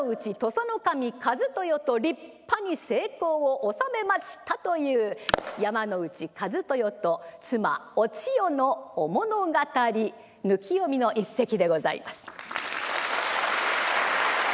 佐守一豊と立派に成功を収めましたという山内一豊と妻お千代のお物語抜き読みの一席でございます。